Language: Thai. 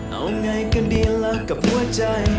เอาไงกันดีล่ะกับหัวใจ